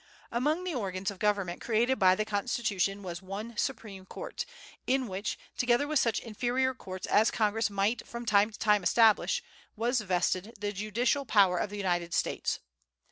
Among the organs of government created by the Constitution was "one Supreme Court," in which, together with such inferior courts as Congress might from time to time establish, was vested "the judicial power of the United States."